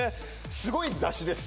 すごい雑誌です